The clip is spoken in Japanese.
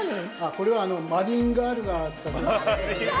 これはマリンガールが使っていた。